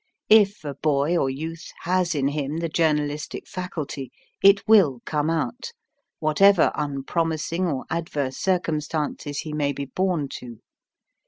If a boy or youth has in him the journalistic faculty, it will come out, whatever unpromising or adverse circumstances he may be born to.